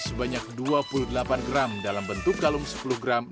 sebanyak dua puluh delapan gram dalam bentuk kalung sepuluh gram